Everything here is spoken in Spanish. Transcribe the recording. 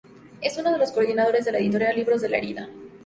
Es uno de los coordinadores de la editorial Libros de la Herida.